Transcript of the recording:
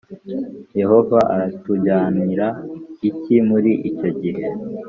Yehova aratujyanira iki muri icyo gihe